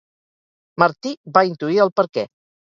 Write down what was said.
Martí va intuir el perquè.